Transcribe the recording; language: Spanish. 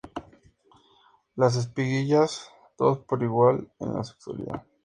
Las espiguillas todos por igual en la sexualidad.